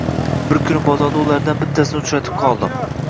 Bir kuni bozorda ulardan bittasini uchratib qoldim.